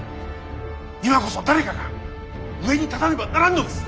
今こそ誰かが上に立たねばならんのです！